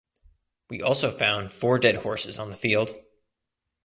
We also found four dead horses on the field.